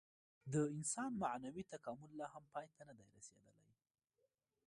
د انسان معنوي تکامل لا هم پای ته نهدی رسېدلی.